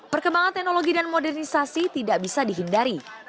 perkembangan teknologi dan modernisasi tidak bisa dihindari